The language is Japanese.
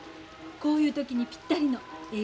こういう時にぴったりのええ